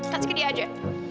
kasih ke dia aja